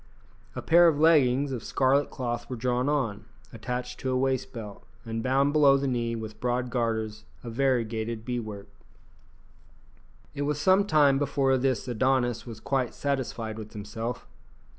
A pair of leggings of scarlet cloth were drawn on, attached to a waist belt, and bound below the knee with broad garters of variegated bead work. It was some time before this Adonis was quite satisfied with himself.